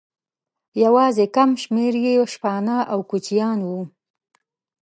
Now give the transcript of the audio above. یواځې کم شمېر یې شپانه او کوچیان وو.